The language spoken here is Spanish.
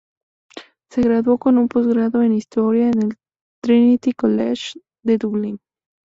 Se graduó con un postgrado en historia en el Trinity College de Dublín.